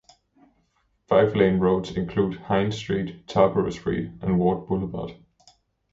Five-lane roads include Hines Street, Tarboro Street, and Ward Boulevard.